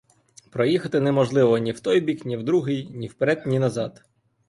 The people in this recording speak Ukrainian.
Проїхати неможливо ні в той бік, ні в другий, ні вперед, ні назад.